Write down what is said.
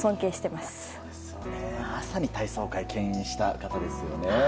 まさに体操界を牽引した方ですよね。